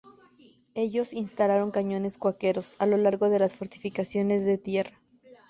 Ellos instalaron cañones cuáqueros a lo largo de las fortificaciones de tierra.